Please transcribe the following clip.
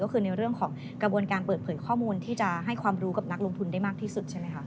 ก็คือในเรื่องของกระบวนการเปิดเผยข้อมูลที่จะให้ความรู้กับนักลงทุนได้มากที่สุดใช่ไหมคะ